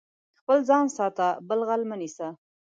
خپل ځان ساته، بل غل مه نيسه.